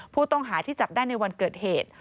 ผู้ต้องหาที่จับได้ในวันเกิดเหตุ